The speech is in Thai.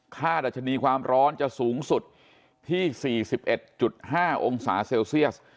ดัชนีความร้อนจะสูงสุดที่๔๑๕องศาเซลเซียส